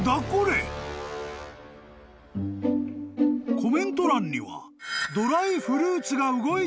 ［コメント欄には］